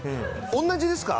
同じですか？